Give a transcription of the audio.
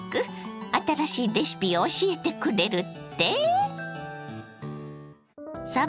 新しいレシピを教えてくれるって？